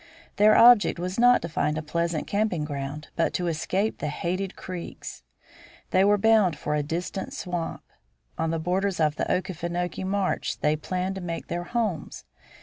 Their object was not to find a pleasant camping ground but to escape the hated Creeks. They were bound for a distant swamp. On the borders of the Okefinokee marsh they planned to make their homes.